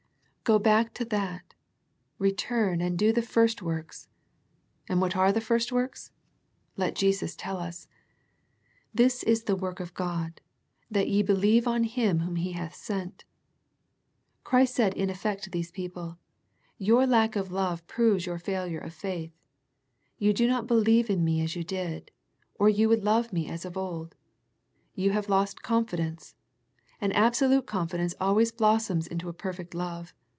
Go back to that, return and do the first works. And what are the first works? Let Jesus tell us, " This is the work of God, that ye believe on Him Whom He hath sent." Christ said in effect to these people, ' Your lack of love proves your failure of faith. You do not believe in Me as you did, or you would love Me as of old. You have lost confidence. An absolute confidence always blossoms into a perfect love.